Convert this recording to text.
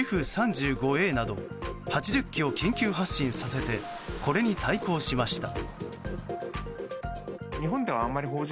Ａなど８０機を緊急発進させてこれに対抗しました。